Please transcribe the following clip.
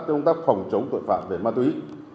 công tác phòng chống tội phạm về ma túy